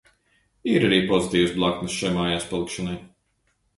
Ir arī pozitīvas blaknes šai mājās palikšanai.